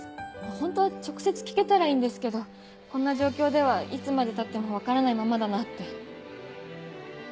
ホントは直接聞けたらいいんですけどこんな状況ではいつまでたっても分からないままだなって。